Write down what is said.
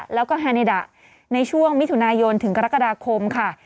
แล้วก็ฮาเนดะในช่วงมิถุนายนถึงกรกฎาคมค่ะ